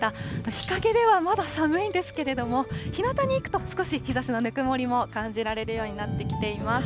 日陰では、まだ寒いんですけれども、ひなたに行くと少し日ざしのぬくもりも感じられるようになってきています。